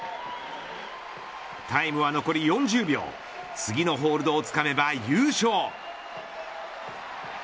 タイムは残り４０秒次のホールドをつかめば優勝。